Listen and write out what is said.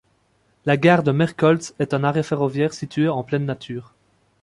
La gare de Merkholtz est un arrêt ferroviaire situé en pleine nature.